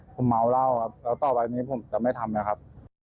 ผมหมาวเหล้าครับแล้วต่อไปผมจะไม่ทำนะครับ